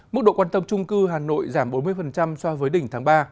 mức độ quan tâm trung cư hà nội giảm bốn mươi so với đỉnh tháng ba